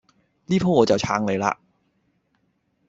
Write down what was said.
呢鋪我就撐你嘞